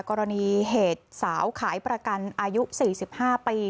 กรณีเหตุสาวขายประกันอายุ๔๕ปี